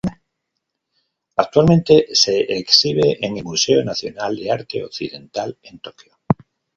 Actualmente se exhibe en el Museo Nacional de Arte Occidental, en Tokio.